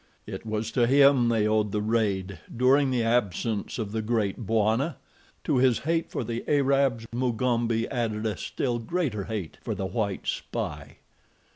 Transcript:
It was to him they owed the raid during the absence of the Great Bwana. To his hate for the Arabs, Mugambi added a still greater hate for the white spy.